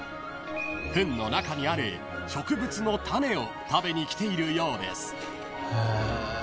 ［フンの中にある植物の種を食べに来ているようです］